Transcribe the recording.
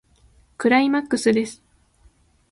クライマックスです。